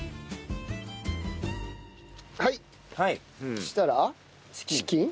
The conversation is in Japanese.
そしたらチキン？